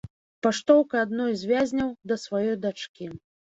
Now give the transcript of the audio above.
Паштоўка адной з вязняў да сваёй дачкі.